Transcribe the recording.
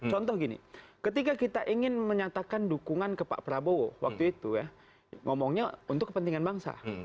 contoh gini ketika kita ingin menyatakan dukungan ke pak prabowo waktu itu ya ngomongnya untuk kepentingan bangsa